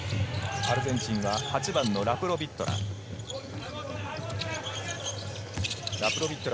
アルゼンチンは８番のラプロビットラ。